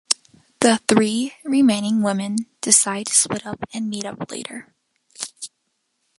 The three remaining women decide to split up and meet up later.